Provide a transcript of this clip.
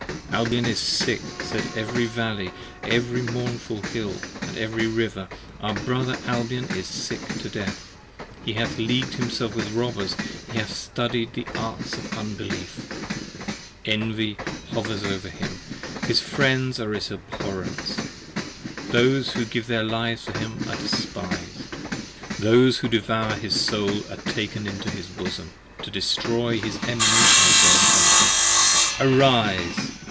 Albion is sick! said every Valley, every mournful Hill And every River: our brother Albion is sick to death. He hath leagued himself with robbers: he hath studied the arts Of unbelief: Envy hovers over him: his Friends are his abhorrence: 15 Those who give their lives for him are despised: Those who devour his soul, are taken into his bosom: To destroy his Emanation is their intention. Arise!